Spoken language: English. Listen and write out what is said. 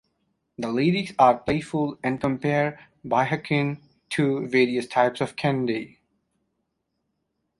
The lyrics are playful and compare Baekhyun to various types of candy.